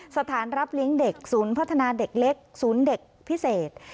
สถานรับเลี้ยงเด็กศูนย์พัฒนาเด็กเล็กศูนย์เด็กพิเศษ